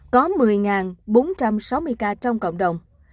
có một mươi bốn trăm sáu mươi ca trong cộng đồng